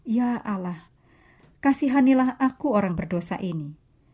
ya allah kasihanilah aku orang berdosa ini